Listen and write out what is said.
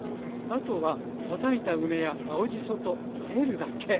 あとはたたいた梅や青じそとあえるだけ。